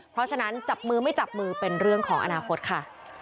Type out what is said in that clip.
เพราะฉะนั้นจับมือไม่จับมือเป็นเรื่องของอนาคตค่ะ